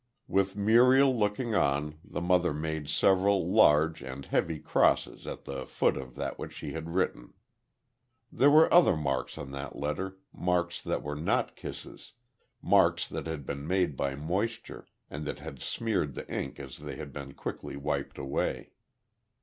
With Muriel looking on, the mother made several large, and heavy crosses at the foot of that which she had written. There were other marks on that letter marks that were not kisses marks that had been made by moisture, and that had smeared the ink as they had been quickly wiped away.